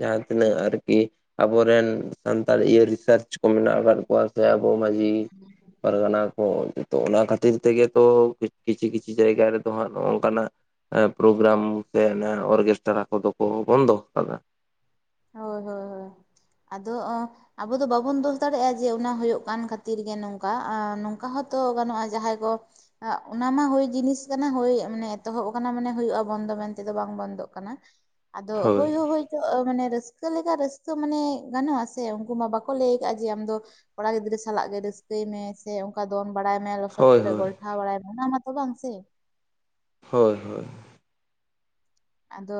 ᱡᱟᱦᱟᱸ ᱛᱤᱱᱟᱹᱜ ᱟᱹᱨᱠᱤ, ᱟᱵᱚᱨᱮᱱ ᱥᱟᱱᱛᱟᱲ ᱤᱭᱟᱹ ᱨᱤᱥᱟᱨᱪ ᱠᱚ ᱢᱮᱱᱟᱜ ᱟᱠᱟᱫ ᱠᱚᱣᱟ᱾ ᱥᱮ ᱟᱵᱚ ᱢᱟᱺᱡᱷᱤ ᱯᱟᱨᱜᱟᱱᱟ᱾ ᱦᱳᱭ ᱡᱷᱚᱛᱚ ᱚᱱᱟ ᱠᱷᱟᱹᱛᱤᱨ ᱛᱮᱜᱮ ᱛᱚ ᱠᱤᱪᱷᱤ ᱠᱤᱪᱷᱤ ᱡᱟᱭᱜᱟ ᱨᱮᱫᱚ ᱦᱟᱸᱜ ᱱᱚᱜ-ᱚ ᱱᱚᱝᱠᱟ ᱱᱟᱜ᱾ ᱯᱨᱳᱜᱨᱟᱢ ᱥᱮ ᱚᱨᱜᱮᱥᱴᱨᱟ ᱠᱚᱫᱚ ᱠᱚ ᱵᱚᱱᱫᱚ ᱟᱠᱟᱫᱟ᱾ ᱦᱳᱭ ᱦᱳᱭ ᱦᱳᱭ [inaudible] ᱟᱫᱚ ᱚᱸ ᱟᱵᱚ ᱫᱚ ᱵᱟᱵᱚᱱ ᱫᱳᱥ ᱫᱟᱲᱮᱭᱟᱜᱼᱟ ᱡᱮ ᱚᱱᱟ ᱦᱩᱭᱩᱜ ᱠᱟᱱ ᱠᱷᱟᱹᱛᱤᱨ ᱜᱮ ᱱᱚᱝᱠᱟ, ᱟᱸ ᱱᱚᱝᱠᱟ ᱦᱚᱸᱛᱚ ᱜᱟᱱᱚᱜᱼᱟ ᱡᱟᱦᱟᱸᱭ ᱠᱚ ᱚᱱᱟ ᱢᱟ ᱦᱳᱭ ᱡᱤᱱᱤᱥ ᱠᱟᱱᱟ ᱦᱳᱭ ᱢᱟᱱᱮ ᱮᱛᱚᱦᱚᱵ ᱟᱠᱟᱱᱟ ᱢᱟᱱᱮ ᱦᱩᱭᱩᱜᱼᱟ ᱵᱚᱱᱫᱚ ᱢᱮᱱᱛᱮᱫᱚ ᱵᱟᱝ ᱵᱚᱱᱫᱚᱜ ᱠᱟᱱᱟ᱾ ᱟᱫᱚ ᱦᱳᱭ ᱦᱚ ᱦᱳᱭ ᱠᱚ ᱢᱟᱱᱮ ᱨᱟᱹᱥ ᱨᱟᱹᱥᱠᱟᱹ ᱞᱮᱠᱟ ᱨᱟᱹᱥᱠᱟᱹ ᱢᱟᱱᱮ ᱜᱟᱱᱚᱜ-ᱟ ᱥᱮ, ᱩᱱᱠᱩ ᱢᱟ ᱵᱟᱠᱚ ᱞᱟᱹᱭ ᱟᱠᱟᱫᱼᱟ ᱡᱮ ᱟᱢᱫᱚ ᱠᱚᱲᱟ ᱜᱤᱫᱽᱨᱟᱹ ᱥᱟᱞᱟᱜ ᱜᱮ ᱨᱟᱹᱥᱠᱟᱹᱭ ᱢᱮ ᱥᱮ ᱚᱱᱠᱟ ᱫᱚᱱ ᱵᱟᱲᱟᱭ ᱢᱮ ᱞᱚᱥᱚᱫ ᱦᱳᱭ ᱠᱚᱨᱮ ᱦᱳᱭ ᱜᱚᱞᱴᱷᱟᱣ ᱵᱟᱲᱟᱭ ᱢᱮ ᱚᱱᱟ ᱢᱟᱛᱚ ᱵᱟᱝ ᱥᱮ᱾ ᱦᱳᱭ ᱦᱳᱭ᱾ ᱟᱫᱚ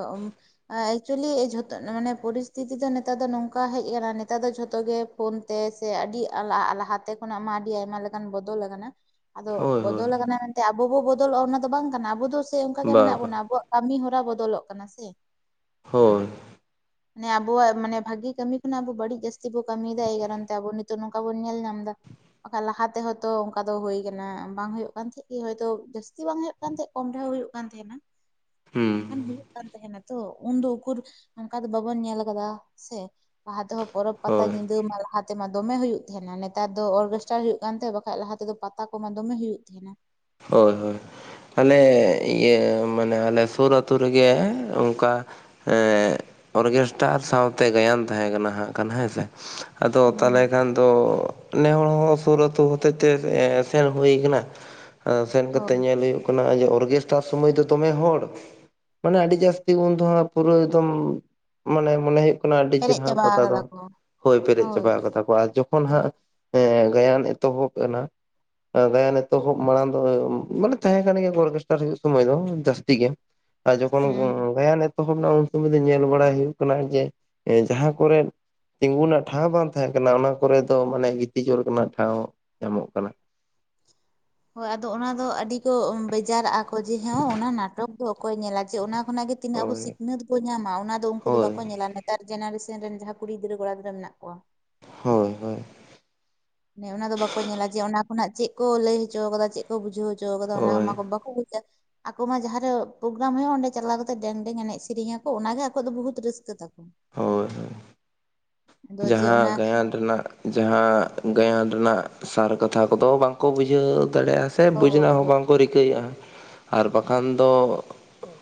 ᱮᱠᱪᱩᱭᱮᱞᱤ ᱡᱷᱚᱛᱚ ᱢᱟᱱᱮ ᱯᱚᱨᱤᱥᱛᱷᱤᱛᱤ ᱱᱮᱛᱟᱨ ᱫᱚ ᱱᱚᱝᱠᱟ ᱦᱮᱡ ᱟᱠᱟᱱᱟ ᱱᱮᱛᱟᱨ ᱫᱚ ᱡᱷᱚᱛᱚ ᱜᱮ ᱯᱷᱳᱱ ᱛᱮ ᱥᱮ ᱟᱹᱰᱤ ᱟᱞᱟ ᱞᱟᱦᱟᱛᱮ ᱠᱷᱚᱱᱟᱜ ᱢᱟ ᱟᱹᱰᱤ ᱟᱭᱢᱟ ᱞᱮᱠᱟᱱ ᱵᱚᱫᱚᱞ ᱟᱠᱟᱱᱟ᱾ ᱟᱫᱚ ᱦᱳᱭ ᱦᱳᱭ ᱵᱚᱫᱚᱞ ᱟᱠᱟᱱᱟ ᱢᱮᱱᱛᱮ ᱟᱵᱚ ᱵᱚ ᱵᱚᱫᱚᱞᱚᱜᱼᱟ, ᱚᱱᱟ ᱫᱚ ᱵᱟᱝ ᱠᱟᱱᱟ ᱟᱵᱚ ᱫᱚ ᱥᱮ ᱚᱱᱠᱟ ᱜᱮ ᱵᱟ ᱢᱮᱱᱟᱜ ᱵᱟ ᱵᱚᱱᱟ ᱟᱵᱚᱣᱟᱜ ᱠᱟᱹᱢᱤ ᱦᱚᱨᱟ ᱵᱚᱫᱚᱞᱚᱜ ᱠᱟᱱᱟ ᱥᱮ᱾ ᱦᱳᱭ᱾ ᱢᱟᱱᱮ ᱟᱵᱚᱣᱟᱜ ᱢᱟᱱᱮ ᱵᱷᱟᱜᱤ ᱠᱟᱹᱢᱤ ᱠᱷᱚᱱᱟᱜ ᱟᱵᱟ ᱵᱟᱹᱲᱤᱡ ᱡᱟᱹᱥᱛᱤ ᱵᱚᱱ ᱠᱟᱹᱢᱤᱭᱮᱫᱟ ᱮᱭ ᱠᱟᱨᱚᱱ ᱛᱮ ᱟᱵᱚ ᱱᱤᱛ ᱛᱚ ᱱᱚᱝᱠᱟ ᱵᱚᱱ ᱧᱮᱞ ᱧᱟᱢ ᱮᱫᱟ᱾ ᱵᱟᱠᱷᱟᱡ ᱞᱟᱦᱟ ᱛᱮᱦᱮ ᱛᱚ ᱚᱱᱠᱟ ᱫᱚ ᱦᱳᱭ ᱠᱟᱱᱟ᱾ ᱵᱟᱝ ᱦᱩᱭᱩᱜ ᱠᱟᱱ ᱛᱟᱦᱮᱸᱡ ᱠᱤ ᱦᱟᱭᱛᱳ ᱡᱟᱹᱥᱛᱤ ᱵᱟᱝ ᱦᱚᱭᱳᱜ ᱠᱟᱱᱛᱮᱡ ᱠᱚᱢ ᱨᱮᱦᱚᱸ ᱦᱩᱭᱩᱜ ᱠᱟᱱ ᱛᱟᱦᱮᱸᱱᱟ᱾ ᱦᱩᱸ ᱢᱮᱱᱠᱷᱟᱱ ᱦᱩᱭᱩᱜ ᱠᱟᱱ ᱛᱟᱦᱮᱱᱟ ᱛᱚ, ᱩᱱᱫᱚ ᱩᱠᱩᱨ ᱚᱱᱠᱟ ᱫᱚ ᱵᱟᱵᱚᱱ ᱧᱮᱞ ᱠᱟᱫᱟ ᱥᱮ, ᱞᱟᱦᱟ ᱛᱮᱦᱚᱸ ᱯᱚᱨᱚᱵᱽ ᱯᱟᱛᱟ ᱦᱳᱭ ᱧᱤᱫᱟᱹ ᱢᱟ ᱞᱟᱦᱟᱛ ᱛᱮ ᱢᱟ ᱫᱚᱢᱮ ᱦᱩᱭᱩᱜ ᱛᱟᱦᱮᱱᱟ, ᱱᱮᱛᱟᱨ ᱫᱚ ᱚᱨᱜᱮᱥᱴᱟᱨ ᱦᱩᱭᱩᱜ ᱠᱟᱱ ᱛᱟᱦᱮᱸ ᱵᱟᱠᱷᱟᱡ ᱞᱟᱦᱟ ᱛᱮᱫᱚ ᱯᱟᱛᱟ ᱠᱚᱢᱟ ᱫᱚᱢᱮ ᱦᱩᱭᱩᱜ ᱛᱟᱦᱮᱱᱟ᱾ ᱦᱳᱭ ᱦᱳᱭ᱾ ᱟᱞᱮ ᱤᱭᱟᱹ ᱢᱟᱱᱮ ᱟᱞᱮ ᱥᱳᱨ ᱟᱹᱛᱩ ᱨᱮᱜᱮᱻ ᱚᱱᱠᱟ, ᱮᱸᱜ ᱚᱨᱜᱮᱥᱴᱟᱨ ᱥᱟᱶᱛᱮ ᱜᱟᱭᱟᱱ ᱛᱟᱦᱮᱸ ᱠᱟᱱᱟ ᱦᱟᱸᱜ ᱠᱷᱟᱱ ᱦᱮᱸ ᱥᱮ, ᱟᱫᱚ ᱦᱩᱸ ᱛᱟᱦᱚᱞᱮ ᱦᱩᱸ ᱠᱷᱟᱱ ᱫᱚᱻ ᱱᱮ ᱦᱚᱲ ᱦᱚᱸ ᱥᱩᱨ ᱟᱹᱛᱩ ᱦᱚᱛᱮᱫ ᱛᱮ ᱥᱮᱱ ᱦᱩᱭ ᱠᱟᱱᱟ᱾ ᱥᱮᱱ ᱠᱟᱛᱮᱴᱮᱫ ᱦᱳᱭ ᱧᱮᱞ ᱦᱩᱭᱩᱜ ᱠᱟᱱᱟ ᱚᱨᱜᱮᱥᱴᱟᱨ ᱥᱚᱢᱚᱭ ᱫᱚ ᱫᱚᱢᱮ ᱦᱚᱲ, ᱢᱟᱱᱮ ᱟᱹᱰᱤ ᱡᱟᱹᱥᱛᱤ ᱩᱱ ᱫᱚ ᱦᱟᱸᱜ ᱯᱩᱨᱟᱹ ᱮᱠᱫᱚᱢ ᱢᱟᱱᱮ ᱢᱚᱱᱮ ᱦᱚᱭᱳᱜ ᱠᱟᱱᱟ ᱾ᱟᱹᱰᱤ ᱯᱮᱨᱮᱡ ᱪᱮᱨᱦᱟ ᱪᱟᱵᱟ ᱯᱚᱛᱛᱟ ᱫᱚ ᱟᱠᱟᱫᱟ ᱠᱚ ᱦᱳᱭ ᱯᱮᱨᱮᱡ ᱪᱟᱵᱟ ᱠᱟᱫᱟᱢ ᱠᱚ ᱟᱨ ᱡᱚᱠᱷᱚᱱ ᱦᱟᱸᱜ ᱮᱸ ᱜᱟᱭᱟᱱ ᱮᱛᱚᱦᱚᱵ ᱮᱱᱟ, ᱜᱟᱭᱟᱱ ᱮᱛᱚᱦᱚᱵ ᱢᱟᱲᱟᱝ ᱫᱚ ᱢᱟᱱᱮ ᱛᱟᱦᱮᱸ ᱠᱟᱱ ᱜᱮᱭᱟ ᱠᱚ ᱚᱨᱜᱮᱥᱴᱟᱨ ᱦᱚᱭᱳᱜ ᱥᱚᱢᱚᱭ ᱫᱚ ᱡᱟᱹᱥᱛᱤ ᱜᱮ, ᱟᱨ ᱡᱚᱠᱷᱚᱱ ᱦᱮᱸ ᱜᱟᱭᱟᱱ ᱮᱛᱚᱦᱚᱵ ᱮᱱᱟ ᱩᱱ ᱥᱚᱢᱚᱭ ᱫᱚ ᱧᱮᱞ ᱵᱟᱲᱟᱭ ᱦᱩᱭᱩᱜ ᱠᱟᱱᱟ ᱡᱮ ᱡᱟᱦᱟᱸ ᱠᱚᱨᱮᱜ ᱛᱤᱸᱜᱩ ᱨᱮᱱᱟᱜ ᱴᱷᱟᱶ ᱵᱟᱝ ᱛᱟᱦᱮᱸ ᱠᱟᱱᱟ ᱚᱱᱟ ᱠᱚᱨᱮ ᱫᱚ ᱢᱟᱱᱮ ᱜᱤᱛᱤᱡᱚᱜ ᱨᱮᱱᱟᱜ ᱴᱷᱟᱶ ᱧᱟᱢᱚᱜ ᱠᱟᱱᱟ᱾ ᱦᱳᱭ ᱟᱫᱚ ᱚᱱᱟ ᱫᱚ ᱟᱹᱰᱤ ᱠᱚ ᱵᱮᱡᱟᱨᱟᱜᱼᱟ ᱠᱚ ᱡᱮ ᱦᱮ ᱚᱱᱟ ᱱᱟᱴᱚᱠ ᱫᱚ ᱚᱠᱚᱭ ᱧᱮᱞᱟ ᱡᱮ ᱚᱱᱟ ᱚᱱᱟᱜᱮ ᱛᱤᱱᱟᱹᱜ ᱟᱵᱚ ᱦᱳᱭ ᱥᱤᱠᱷᱱᱟᱹᱛ ᱵᱚ ᱧᱟᱢᱟ ᱚᱱᱟ ᱫᱚ ᱩᱱᱠᱩ ᱫᱚ ᱦᱳᱭ ᱵᱟᱠᱚ ᱧᱮᱞᱟ ᱱᱮᱛᱟᱨ ᱡᱮᱱᱟᱨᱮᱥᱚᱱ ᱨᱮᱱ ᱡᱟᱦᱟᱸᱭ ᱠᱩᱲᱤ ᱜᱤᱫᱽᱨᱟᱹ ᱠᱚᱲᱟ ᱜᱤᱫᱽᱨᱟᱹ ᱢᱮᱱᱟᱜ ᱠᱚᱣᱟ᱾ ᱦᱳᱭ, ᱦᱳᱭ ᱮ ᱚᱱᱟ ᱫᱚ ᱵᱟᱠᱚ ᱧᱮᱞᱟ ᱡᱮ ᱚᱱᱟ ᱠᱷᱚᱱᱟᱜ ᱪᱮᱫ ᱠᱚ ᱞᱟᱹᱭ ᱦᱚᱪᱚ ᱟᱠᱟᱫᱟ ᱪᱮᱫ ᱵᱟᱠᱚ ᱵᱩᱡᱷᱟᱹᱣᱪᱚ ᱟᱠᱟᱫᱟ ᱦᱳᱭ ᱚᱱᱟ ᱠᱚ ᱵᱟᱠᱚ ᱵᱩᱡᱟ᱾ ᱟᱠᱚ ᱢᱟ ᱡᱟᱦᱟᱸᱨᱮ ᱯᱨᱳᱜᱨᱟᱢ ᱦᱩᱭᱩᱜᱳᱜᱼᱟ ᱚᱸᱰᱮ ᱪᱟᱞᱟᱣ ᱠᱟᱛᱮ ᱰᱮᱝ ᱰᱮᱝ ᱮᱱᱮᱡ ᱥᱮᱨᱮᱧ ᱟᱠᱚ ᱚᱱᱟᱜᱮ ᱟᱠᱚᱣᱟᱜ ᱫᱚ ᱵᱚᱦᱩᱛ ᱨᱟᱹᱥᱠᱟᱹ ᱛᱟᱠᱚ᱾ ᱦᱳᱭ ᱦᱳᱭ, ᱟᱫᱚ ᱡᱮ ᱡᱟᱦᱟᱸ ᱚᱱᱟ ᱜᱟᱭᱟᱱ ᱨᱮᱱᱟᱜ ᱡᱟᱦᱟᱸ ᱜᱟᱭᱟᱱ ᱨᱮᱱᱟᱜ ᱥᱟᱨ ᱠᱟᱛᱷᱟ ᱠᱚᱫᱚ ᱵᱟᱝᱠᱚ ᱵᱩᱡᱷᱟᱹᱣ ᱫᱟᱲᱮᱭᱟᱜᱼᱟ, ᱥᱮ ᱵᱩᱡᱽ ᱦᱳᱭ ᱨᱮᱱᱟᱜ ᱦᱚᱸ ᱦᱳᱭ ᱵᱟᱝᱠᱚ ᱨᱤᱠᱟᱹᱭᱮᱫᱼᱟ, ᱟᱨ ᱵᱟᱠᱷᱟᱱ ᱫᱚ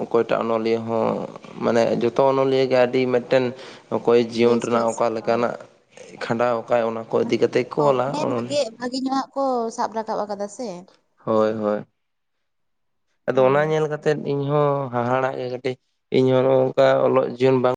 ᱚᱠᱚᱭᱴᱟᱜ ᱚᱱᱚᱞᱤᱭᱟᱹ ᱦᱚᱸ ᱢᱟᱱᱮ ᱡᱚᱛᱚ ᱚᱱᱚᱞᱤᱭᱟᱹ ᱜᱮ ᱟᱹᱰᱤ ᱢᱤᱫᱴᱮᱱ ᱚᱠᱚᱭ ᱡᱤᱭᱚᱱ ᱵᱮᱥ ᱨᱮᱱᱟᱜ ᱵᱮᱥ ᱚᱠᱟ ᱞᱮᱠᱟᱱᱟᱜ ᱠᱷᱟᱸᱰᱟᱣ ᱣᱟᱠᱟᱜᱼᱟᱭ ᱚᱱᱟ᱾ ᱠᱚ ᱤᱫᱤ ᱠᱟᱛᱮ ᱦᱚ ᱠᱚ ᱚᱞᱟ ᱚᱱᱮ ᱚᱱᱚᱞᱤᱭᱟᱹ ᱵᱷᱟᱜᱮ ᱵᱷᱟᱜᱮ ᱧᱚᱸᱜᱼᱟᱜ ᱠᱚ ᱥᱟᱵ ᱨᱟᱠᱟᱵ ᱟᱠᱟᱫᱟ ᱥᱮ᱾ ᱦᱳᱭ ᱦᱳᱭ ᱟᱫᱚ ᱚᱱᱟ ᱦᱳᱭ ᱧᱮᱞ ᱠᱟ ᱛᱮᱫ ᱤᱧ ᱦᱚᱸ ᱦᱟᱦᱟᱲᱟᱜ ᱜᱮ ᱠᱟᱹᱴᱤᱡ ᱤᱧ ᱦᱚᱸ ᱱᱚᱜᱼᱚ ᱱᱚᱝᱠᱟ ᱚᱞᱚᱜ ᱡᱤᱭᱚᱱ ᱵᱟᱝ